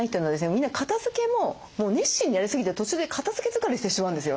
みんな片づけも熱心にやりすぎて途中で片づけ疲れしてしまうんですよ